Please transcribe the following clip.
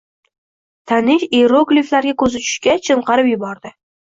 Tanish ierogliflarga ko`zi tushgach, chinqirib yubordi